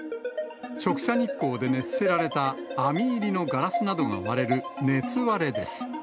直射日光で熱せられた網入りのガラスなどが割れる熱割れです。